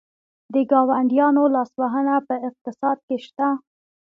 د ګاونډیانو لاسوهنه په اقتصاد کې شته؟